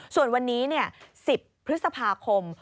ส่วนวันนี้๑๐พฤษภาคม